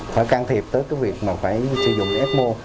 phải can thiệp tới cái việc mà phải sử dụng cái fmo